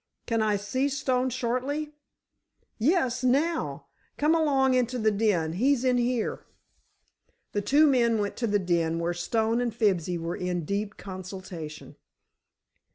"Can I see Stone shortly?" "Yes, now. Come along into the den, he's in here." The two men went to the den, where Stone and Fibsy were in deep consultation.